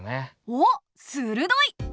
おするどい！